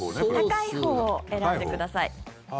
高いほうを選んでください。